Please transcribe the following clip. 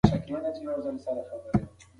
ایا هغه غږ د کوم انسان و؟